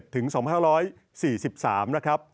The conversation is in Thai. ถึง๒๕๔๓นะครับ